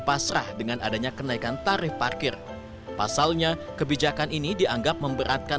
pasrah dengan adanya kenaikan tarif parkir pasalnya kebijakan ini dianggap memberatkan